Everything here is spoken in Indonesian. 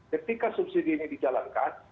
ketika subsidi ini dijalankan